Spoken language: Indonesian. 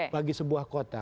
bagi sebuah kota